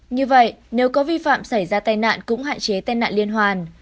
như vậy nếu có vi phạm xảy ra tai nạn cũng hạn chế tai nạn liên hoàn